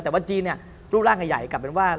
แต่ว่าจีนเนี่ยรูปร่างใหญ่กลับเป็นว่า